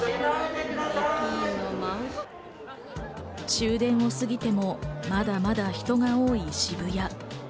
終電を過ぎてもまだまだ人が多い渋谷。